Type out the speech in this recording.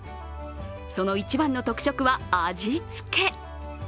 その一番の特色は、味付け。